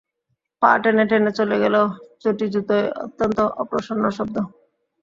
পা টেনে টেনে চলে গেল, চটিজুতোয় অত্যন্ত অপ্রসন্ন শব্দ।